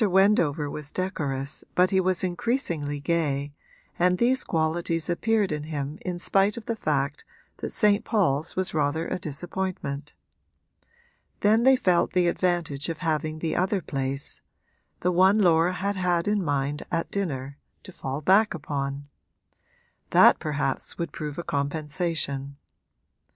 Wendover was decorous but he was increasingly gay, and these qualities appeared in him in spite of the fact that St. Paul's was rather a disappointment. Then they felt the advantage of having the other place the one Laura had had in mind at dinner to fall back upon: that perhaps would prove a compensation.